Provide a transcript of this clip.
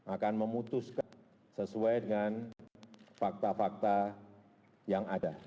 akan memutuskan sesuai dengan fakta fakta yang ada